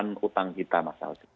pengelolaan utang kita mas alji